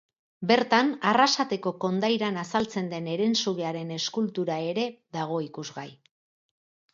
Bertan Arrasateko kondairan azaltzen den herensugearen eskultura ere dago ikusgai.